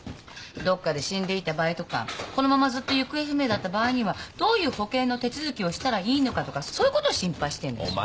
どっかで死んでいた場合とかこのままずっと行方不明だった場合にはどういう保険の手続きをしたらいいのかとかそういうことを心配してんでしょ。